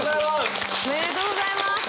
おめでとうございます！